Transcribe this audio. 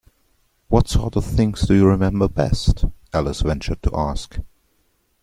‘What sort of things do you remember best?’ Alice ventured to ask.